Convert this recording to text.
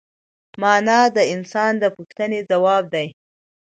مانا د انسان د پوښتنې ځواب دی.